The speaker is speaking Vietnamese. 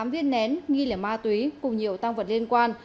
tám viên nén nghi lẻ ma túy cùng nhiều tăng vật liên quan